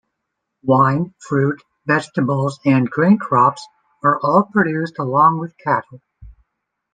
Wine, fruit, vegetables and grain crops are all produced along with cattle.